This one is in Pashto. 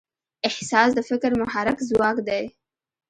احساس د فکر محرک ځواک دی.